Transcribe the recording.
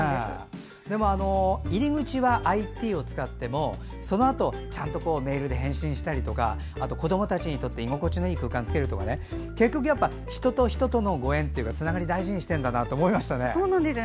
でも、入り口はＩＴを使ってもそのあと、ちゃんとメールで返信したりとか子どもたちにとって居心地のいい空間を作るとか結局、人と人とのご縁というかつながりを大事にしているんだなと思いましたね。